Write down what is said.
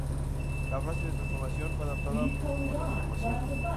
La frase de transformación fue adaptada como "¡transformación!